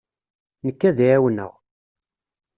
Nekk ad ɛiwneɣ.